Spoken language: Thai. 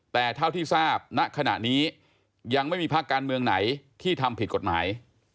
แต่เท่าที่ทราบณขณะนี้ยังไม่มีภาคการเมืองไหนที่ทำผิดกฎหมาย